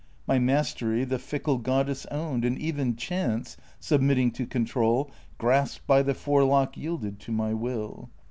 My mastery the Fickle Goddess owned, And even Chance, submitting to control. Grasped by the forelock, yielded to my will.